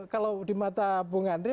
kalau di mata bu ngandri